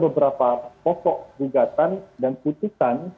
beberapa pokok gugatan dan putusan